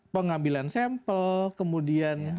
pengambilan sampel kemudian bagaimana prosesnya